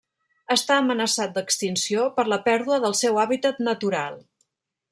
Està amenaçat d'extinció per la pèrdua del seu hàbitat natural.